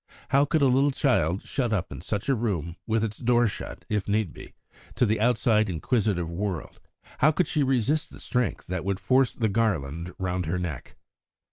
How could a little child shut up in such a room, with its door shut, if need be, to the outside inquisitive world how could she resist the strength that would force the garland round her neck?